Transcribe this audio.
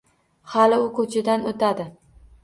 Hali u ko‘chadan o’tadi.